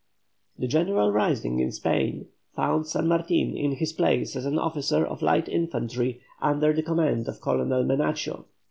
The general rising in Spain found San Martin in his place as an officer of light infantry under the command of Colonel Menacho.